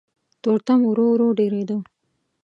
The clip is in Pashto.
تورتم ورو ورو ډېرېده.